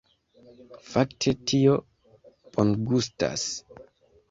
Fakte, tio bongustas